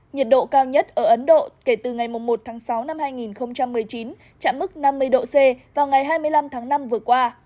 nhiệt độ cao nhất ở ấn độ kể từ ngày một tháng sáu năm hai nghìn một mươi chín chạm mức năm mươi độ c vào ngày hai mươi năm tháng năm vừa qua